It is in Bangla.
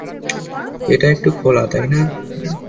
এটা একটু খোলা, তাই না?